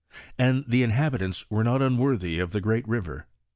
"* And the inhabitants were not un worthy of the great river.